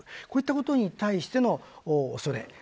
こういったことに対しての恐れ。